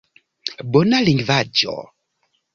Bona lingvaĵo.